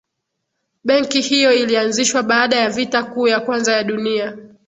benki hiyo ilianzishwa baada ya vita kuu ya kwanza ya dunia